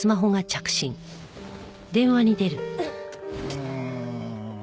うん。